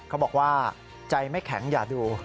เขาบอกว่าใจไม่แข็งอย่าดู